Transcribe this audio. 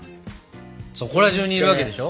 そこらじゅうにいるわけでしょ？